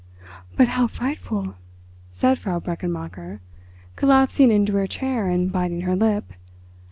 "But how frightful!" said Frau Brechenmacher, collapsing into her chair and biting her lip.